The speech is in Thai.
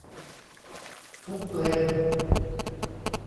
ทุกเลน